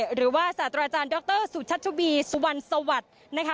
หรือว่าสตราจารย์ดรสุชัตว์ชุบีสุวรรณสวรรค์